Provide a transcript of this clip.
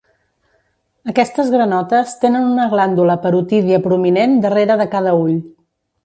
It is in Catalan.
Aquestes granotes tenen una glàndula parotídia prominent darrere de cada ull.